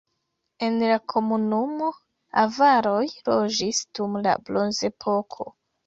En la komunumo avaroj loĝis dum la bronzepoko.